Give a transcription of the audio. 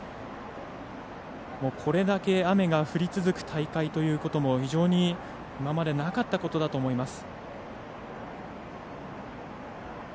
これだけ雨が降り続く大会というのも非常に今までなかったことだと思います。